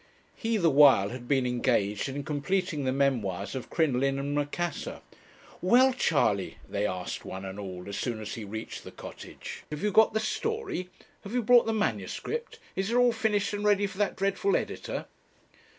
He the while had been engaged in completing the memoirs of 'Crinoline and Macassar.' 'Well, Charley,' they asked, one and all, as soon as he reached the Cottage, 'have you got the story? Have you brought the manuscript? Is it all finished and ready for that dreadful editor?'